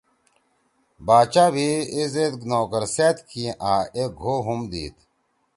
باچا بھی ایزید نوکر سأد کی آں اے گھو ھم دیِد۔